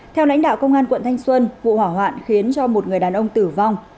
theo lãnh đạo công an tp rạch giá vụ hỏa hoạn khiến một người đàn ông tử vong